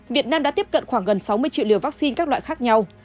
việt nam đã tiếp cận khoảng gần sáu mươi triệu liều vaccine các loại khác nhau